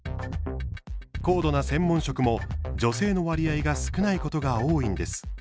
高度な専門職も女性の割合が少ないことが多いんです。